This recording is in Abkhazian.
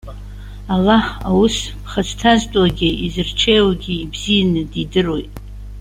Аллаҳ аус ԥхасҭазтәуагьы изырҽеиуагьы ибзианы дидыруеит.